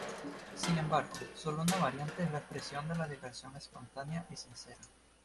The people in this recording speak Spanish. Sin embargo, sólo una variante es la expresión de la diversión espontánea y sincera.